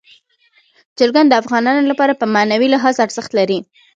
چرګان د افغانانو لپاره په معنوي لحاظ ارزښت لري.